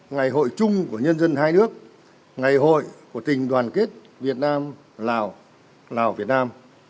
ngày hội chung của nhân dân hai nước ngày hội của tình đoàn kết việt nam lào lào việt nam